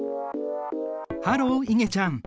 ハローいげちゃん。